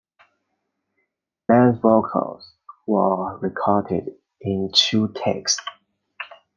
Plant's vocals were recorded in two takes.